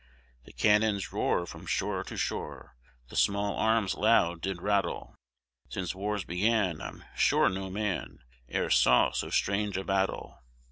The cannons roar from shore to shore; The small arms loud did rattle; Since wars began I'm sure no man E'er saw so strange a battle.